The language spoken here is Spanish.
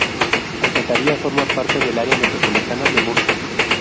Alcantarilla forma parte del área metropolitana de Murcia.